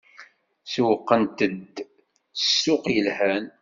Sewwqent-d ssuq yelhan.